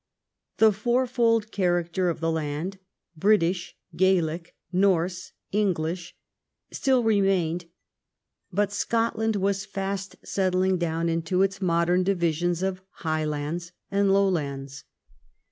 The fourfold character of the land — British, Gaelic, Norse, English — still remained, but Scotland was fast settling down into its modern divisions of Highlands and Lowlands.